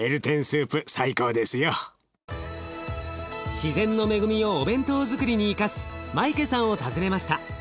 自然の恵みをお弁当づくりに生かすマイケさんを訪ねました。